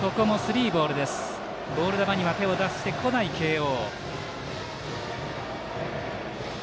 ボール球には手を出してこない慶応。